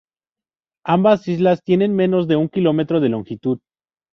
Ambas islas tienen menos de un kilómetro de longitud.